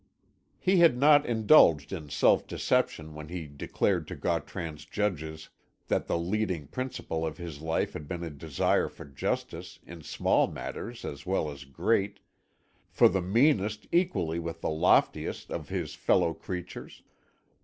He had not indulged in self deception when he declared to Gautran's judges that the leading principle of his life had been a desire for justice in small matters as well as great, for the meanest equally with the loftiest of his fellow creatures.